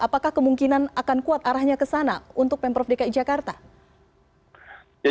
apakah kemungkinan akan kuat arahnya ke sana untuk pemprov dki jakarta